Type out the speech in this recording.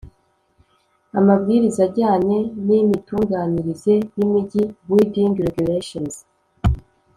Amabwiriza ajyanye n imitunganyirize y imijyi building regulations